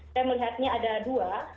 saya melihatnya ada dua